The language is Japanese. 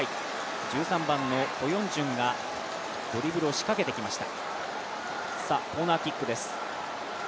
１３番のコ・ヨンジュンがドリブルを仕掛けてきました。